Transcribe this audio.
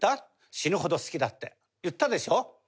「死ぬほど好きだって言ったでしょ？」。